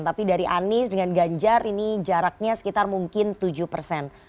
tapi dari anies dengan ganjar ini jaraknya sekitar mungkin tujuh persen